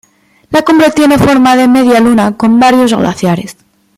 La cumbre tiene forma de media luna, con varios glaciares.